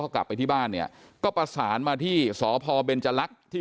กลับไปที่บ้านเนี่ยก็ประสานมาที่สพเบนจรักษ์ที่